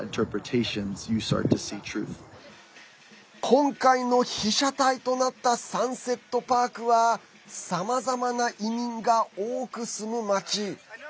今回の被写体となったサンセットパークはさまざまな移民が多く住む街。